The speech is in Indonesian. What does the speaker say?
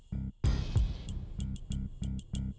tidak ada lagi